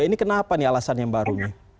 ini kenapa nih alasannya mbak arumi